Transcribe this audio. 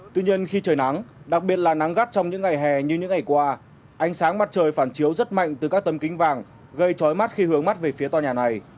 tuy nhiên khi trời nắng đặc biệt là nắng gắt trong những ngày hè như những ngày qua ánh sáng mặt trời phản chiếu rất mạnh từ các tấm kính vàng gây trói mắt khi hướng mắt về phía tòa nhà này